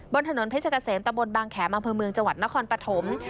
บนถนนเพชรเกษมตะบนบางแขมอำเภอเมืองจังหวัดนครปฐม